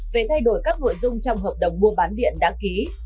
về thay đổi các nội dung trong hợp đồng mua bán điện đã ký